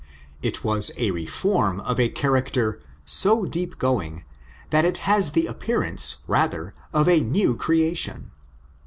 It was a reform of a character so deep going that it has the appearance rather of a new creation.